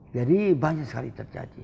jadi banyak sekali terjadi